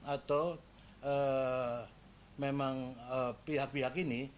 atau memang pihak pihak ini